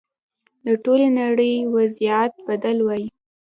د ټولې نړۍ وضعیت بدل وای.